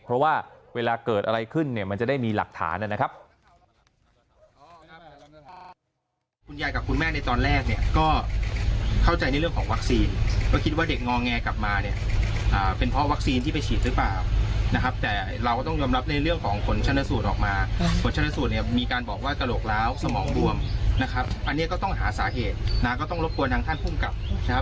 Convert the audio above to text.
เพราะว่าเวลาเกิดอะไรขึ้นเนี่ยมันจะได้มีหลักฐานนะครับ